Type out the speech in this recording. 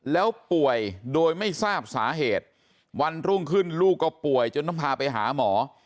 แล้วป่วยโดยไม่ทราบสาเหตุวันรุ่งขึ้นลูกก็ป่วยจนต้องพาไปหาหมอ